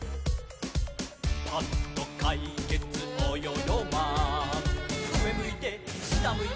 「パッとかいけつおよよマン」「うえむいてしたむいて」